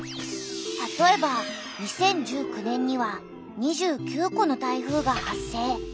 たとえば２０１９年には２９個の台風が発生。